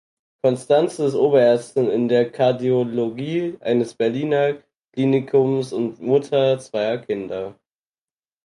Konstanze ist Oberärztin in der Kardiologie eines Berliner Klinikums und Mutter zweier Kinder.